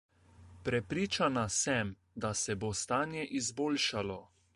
Prepričana sem, da se bo stanje izboljšalo.